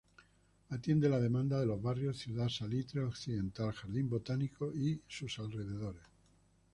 Atiende la demanda de los barrios Ciudad Salitre Occidental, Jardín Botánico y sus alrededores.